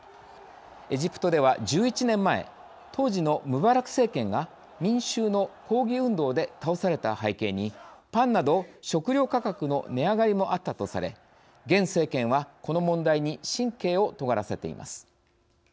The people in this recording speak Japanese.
エジプトでは、１１年前当時のムバラク政権が民衆の抗議運動で倒された背景にパンなど食糧価格の値上がりもあったとされ現政権は、この問題に神経をとがらせています。